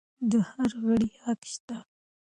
د هر غړي حق شته.